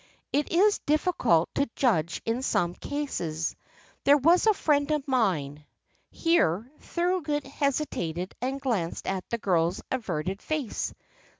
"It is difficult to judge in some cases. There was a friend of mine " Here Thorold hesitated and glanced at the girl's averted face.